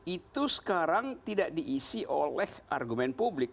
itu sekarang tidak diisi oleh argumen publik